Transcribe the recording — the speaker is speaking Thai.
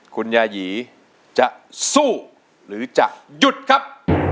คุณยายีจะสู้หรือจะหยุดครับ